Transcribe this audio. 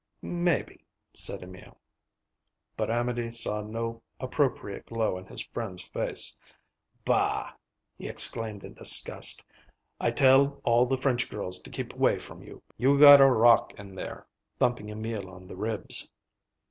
"Maybe," said Emil. But Amédée saw no appropriate glow in his friend's face. "Bah!" he exclaimed in disgust. "I tell all the French girls to keep 'way from you. You gotta rock in there," thumping Emil on the ribs.